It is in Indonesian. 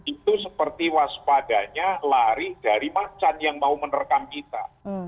itu seperti waspadanya lari dari macan yang mau menerkam kita